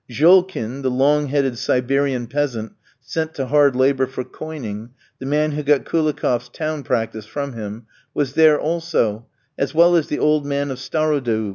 Jolkin the long headed Siberian peasant sent to hard labour for coining, the man who got Koulikoff's town practice from him was there also, as well as the old man of Starodoub.